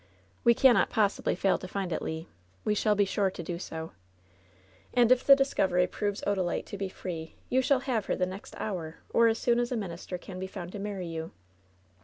We cannot possibly fail to find it, Le. We shall be sure to do so. And if the discovery proves Odalite to be free, you shall have her the next hour, or as soon as a minister can be found to marry you."